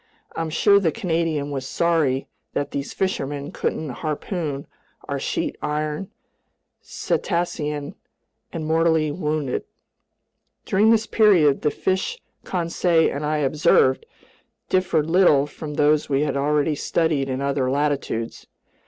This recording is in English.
I'm sure the Canadian was sorry that these fishermen couldn't harpoon our sheet iron cetacean and mortally wound it. During this period the fish Conseil and I observed differed little from those we had already studied in other latitudes.